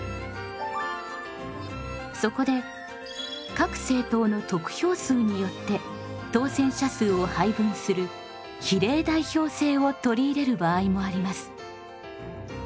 そこで各政党の得票数によって当選者数を配分する比例代表制を取り入れる場合もあります。